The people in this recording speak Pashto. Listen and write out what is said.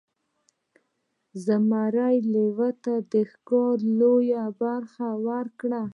زمري لیوه ته د ښکار لویه برخه ورکړه.